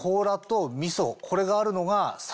これがあるのが。